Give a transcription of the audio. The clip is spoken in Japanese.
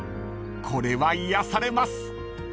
［これは癒やされます］